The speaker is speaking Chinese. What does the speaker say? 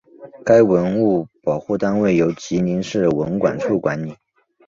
该文物保护单位由吉林市文管处管理。